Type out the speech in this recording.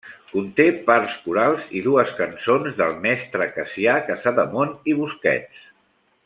Conté parts corals i dues cançons del mestre Cassià Casademont i Busquets.